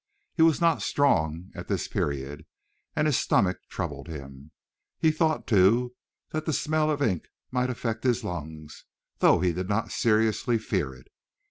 He was not strong at this period and his stomach troubled him. He thought, too, that the smell of the ink might affect his lungs, though he did not seriously fear it.